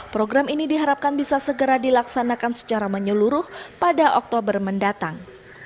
program ini diharapkan bisa segera dilaksanakan secara menyeluruh pada oktober mendatang